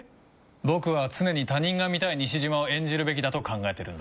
僕は常に他人が見たい西島を演じるべきだと考えてるんだ。